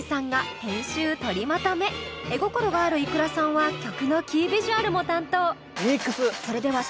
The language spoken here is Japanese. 絵心があるｉｋｕｒａさんは曲のキービジュアルも担当。